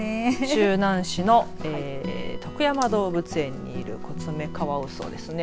周南市の徳山動物園にいるコツメカワウソですね。